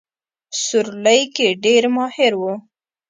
سورلۍ کې ډېر ماهر وو.